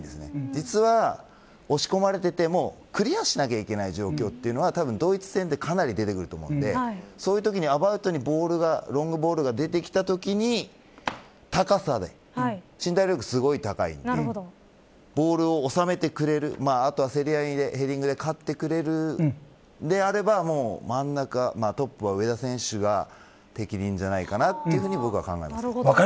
実は、押し込まれていてもクリアしなきゃいけない状況はドイツ戦でかなり出てくると思うのでそういうときにアバウトにロングボールが出てきたときに高さで身体能力、すごく高いのでボールを収めてくれる、あとはヘディングで勝ってくれるんであれば真ん中、トップは上田選手が適任だと僕は考えます。